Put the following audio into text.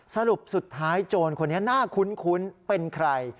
สรุปสุดท้ายโจรคนนี้น่าคุ้นเป็นใคร